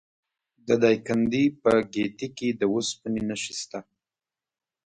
د دایکنډي په ګیتي کې د وسپنې نښې شته.